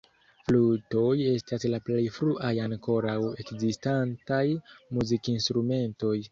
Flutoj estas la plej fruaj ankoraŭ ekzistantaj muzikinstrumentoj.